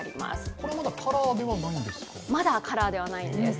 これはまだカラーではないんですか？